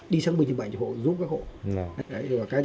đi chống dịch là điều bất khả thi